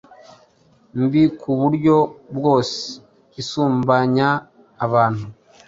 mbi ku buryo bwose. Isumbanya abantu,